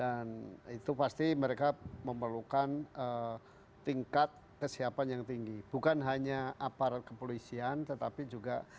jadi itu pasti mereka memerlukan tingkat kesiapan yang tinggi bukan hanya aparat kepolisian tetapi juga